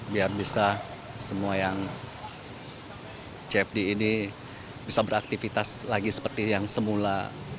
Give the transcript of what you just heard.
biar bisa semua yang cfd ini bisa beraktivitas lagi seperti yang semula